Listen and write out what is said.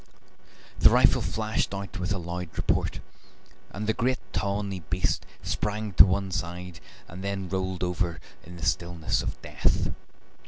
The rifle flashed out with a loud report, and the great tawny beast sprang to one side and then rolled over in the stillness of death.